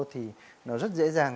thì nó rất dễ dàng